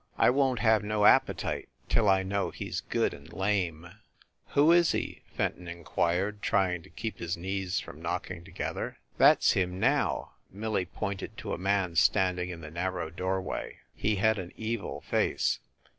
"I won t have no appetite till I know he s good and lame," 160 FIND THE WOMAN "Who is he ?" Fenton inquired, trying to keep his knees from knocking together. "That s him, now!" Millie pointed to a man standing in the narrow doorway. He had an evil face.